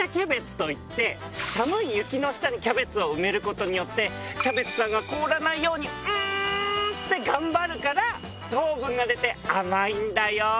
寒い雪の下にキャベツを埋めることによってキャベツさんが凍らないようにうん！って頑張るから糖分が出て甘いんだよ。